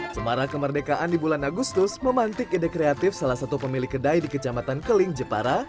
cemara kemerdekaan di bulan agustus memantik ide kreatif salah satu pemilik kedai di kecamatan keling jepara